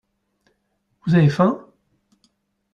Vous avez faim ?